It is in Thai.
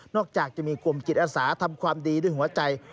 จากจะมีกลุ่มจิตอาสาทำความดีด้วยหัวใจ